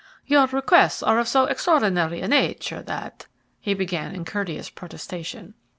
"Your requests are of so extraordinary a nature that " he began in courteous protestation.